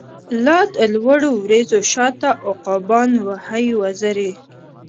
لادلوړو وریځو شاته، عقابان وهی وزری